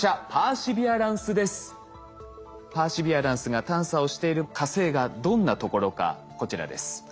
パーシビアランスが探査をしている火星がどんなところかこちらです。